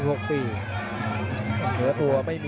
สวัสดิ์นุ่มสตึกชัยโลธสวัสดิ์